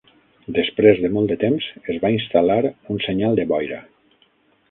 Després de molt de temps, es va instal·lar un senyal de boira.